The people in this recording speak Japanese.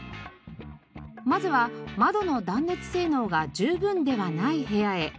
まずは窓の断熱性能が十分ではない部屋へ。